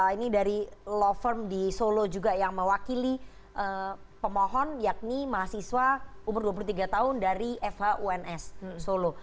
ini dari law firm di solo juga yang mewakili pemohon yakni mahasiswa umur dua puluh tiga tahun dari fhuns solo